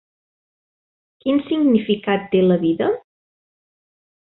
Quin significat té la vida?